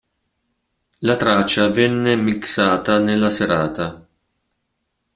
La traccia venne mixata nella serata.